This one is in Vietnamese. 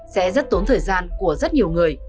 sẽ rất tốn thời gian của rất nhiều người